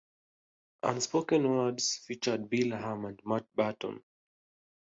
"Unspoken Words" featured Bill Ham and Matt Betton.